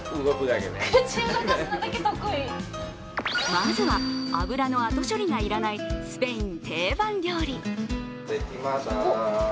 まずは、油のあと処理が要らないスペイン定番料理。